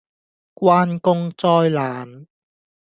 關公災難